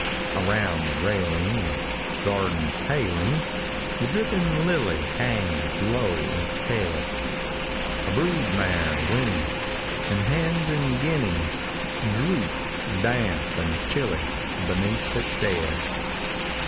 Around the railing and garden paling The dripping lily hangs low its head: A brood mare whinnies; and hens and guineas Droop, damp and chilly, beneath the shed.